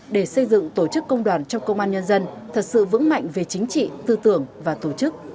để xây dựng tổ chức công đoàn trong công an nhân dân thật sự vững mạnh về chính trị tư tưởng và tổ chức